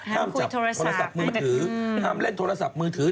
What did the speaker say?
จับโทรศัพท์มือถือห้ามเล่นโทรศัพท์มือถือ